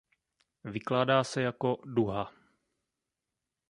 Vykládá se jako „duha“.